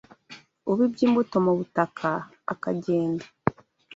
ubibye imbuto mu butaka, akagenda